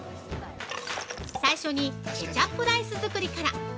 最初にケチャップライス作りから！